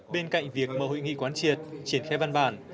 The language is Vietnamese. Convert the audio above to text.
bên cạnh việc mở hội nghị quán triệt triển khai văn bản